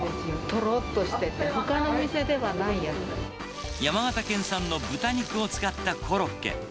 とろーっとしてて、ほかの店には山形県産の豚肉を使ったコロッケ。